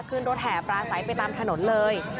ขึ้นรถแห่ปลาใสไปตามถนนเลย